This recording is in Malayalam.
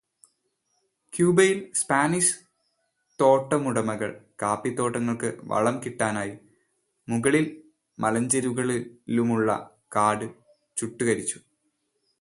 ക്യൂബയിലെ സ്പാനിഷ് തോട്ടമുടമകൾ കാപ്പിതോട്ടങ്ങൾക്ക് വളം കിട്ടാനായി മുകളിൽ മലഞ്ചെരുവുകളിലുമുള്ള കാട് ചുട്ടുകരിച്ചു.